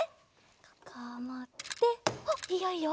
ここをもっておっいいよいいよ。